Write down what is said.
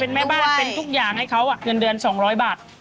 เป็นแม่บ้านเป็นทุกอย่างให้เขาเงินเดือน๒๐๐บาท